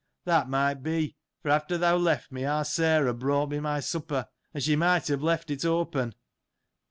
That might be, for after thou left me, our Sarah brought me my supper ; and she might have left it open.